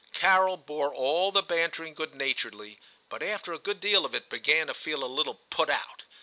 Carol bore all the bantering good naturedly, but after a good deal of it began to feel a little put out.